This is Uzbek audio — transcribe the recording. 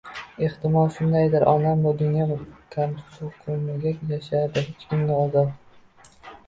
Ehtimol shundaydir. Onam bu dunyoda kamsuqumgina yashardi. Hech kimga ozor